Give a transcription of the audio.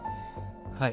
はい。